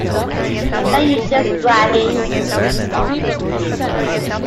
Now you're just bragging.